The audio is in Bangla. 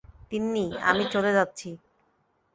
তিন্নি, আমি চলে যাচ্ছি।